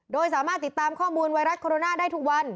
โดยสามารถติดตามข้อมูลไวรัสโคโรนาได้ทุกวัน